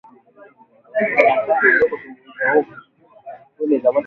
Bali bapokeza kila mutu saki ya bunga ku kazi yabo